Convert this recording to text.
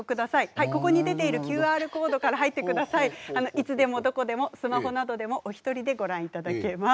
いつでもどこでもスマホなどでもお一人でご覧いただけます。